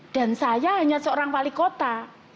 dan saya hanya seorang balai kota